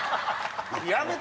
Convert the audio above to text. やめて！